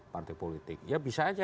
partai politik ya bisa aja